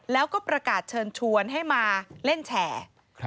แล้วก็ประกาศเชิญชวนให้มาเล่นแชร์